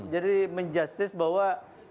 jadi menjustice bahwa